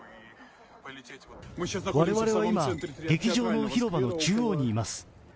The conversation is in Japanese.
われわれは今、劇場の広場の中央にいます。